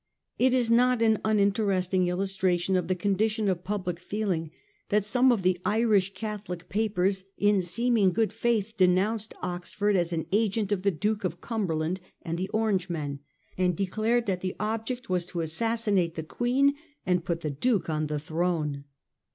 It is a not an uninteresting illustration of the condition of public feeling that some of the Irish Catholic papers in seeming good faith denounced Oxford as an agent of the Duke of Cumberland and the Orangemen, and declared that the object was to assassinate the Queen and put the Duke on the throne.